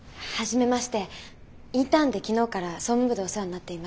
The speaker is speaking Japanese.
インターンで昨日から総務部でお世話になっています